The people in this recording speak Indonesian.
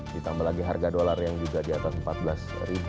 ditambah lagi harga dolar yang juga di atas rp empat belas